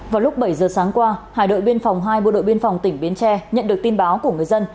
vào lúc bảy giờ sáng qua hải đội biên phòng hai bộ đội biên phòng tỉnh bến tre nhận được tin báo của người dân